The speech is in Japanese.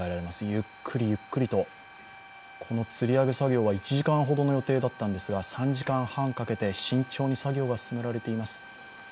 ゆっくりゆっくりとこのつり上げ作業は１時間ほどの予定だったんですが３時間半かけて慎重に作業が続けられています。